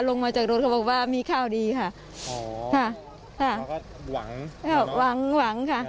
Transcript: ลงมาจากรถเขาบอกว่ามีข้าวดีค่ะอ๋อค่ะค่ะเขาก็หวังหวังค่ะ